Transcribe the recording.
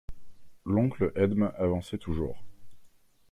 L'oncle Edme avançait toujours.